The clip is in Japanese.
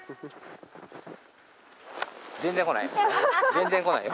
全然来ない。